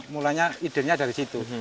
mulanya idenya dari situ